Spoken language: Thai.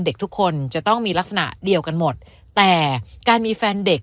เด็กทุกคนจะต้องมีลักษณะเดียวกันหมดแต่การมีแฟนเด็ก